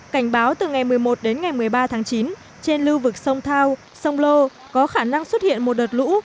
cảnh báo từ ngày một mươi một đến ngày một mươi ba tháng chín trên lưu vực sông thao sông lô có khả năng xuất hiện một đợt lũ